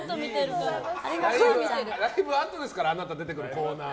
だいぶあとですからあなたが出てくるコーナー。